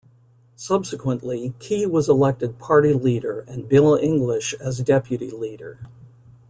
Subsequently, Key was elected party leader and Bill English as deputy leader.